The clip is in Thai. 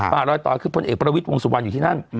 ถ้าได้ร้อยต่อคือพลเอกปราวิทย์วงศวรรณอยู่ที่นั่น